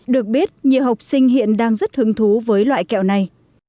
được biết nhiều học sinh hiện đang rất hứng thú với loại kẹo này